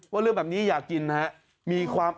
ว่าเรื่องแบบนี้อย่ากินนะมีความ